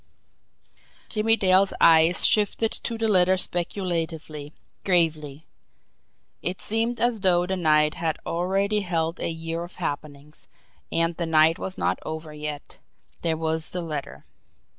Jimmie Dale's eyes shifted to the letter speculatively, gravely. It seemed as though the night had already held a year of happenings, and the night was not over yet there was the letter!